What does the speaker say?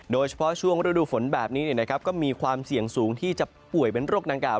โดยเฉพาะช่วงฤดูฝนแบบนี้ก็มีความเสี่ยงสูงที่จะป่วยเป็นโรคดังกล่า